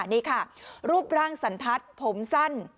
นี่ค่ะรูปร่างสันทัศน์ผมสั้น